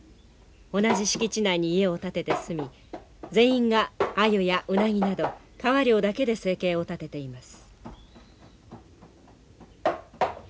同じ敷地内に家を建てて住み全員がアユやウナギなど川漁だけで生計を立てています。